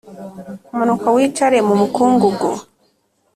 Manuka wicare mumukungugu